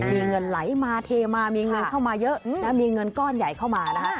มีเงินไหลมาเทมามีเงินเข้ามาเยอะนะมีเงินก้อนใหญ่เข้ามานะคะ